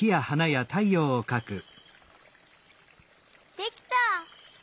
できた！